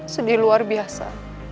sedih luar biasa